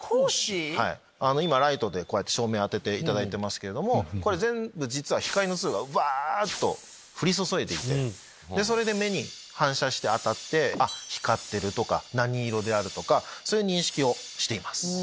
今ライトでこうやって照明当てていただいてますけどこれ全部実は光の粒がうわっと降り注いでいてそれで目に反射して当たって光ってるとか何色であるとかそういう認識をしています。